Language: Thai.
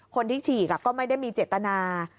คนที่ฉีกก็ไม่ได้มีเจตนา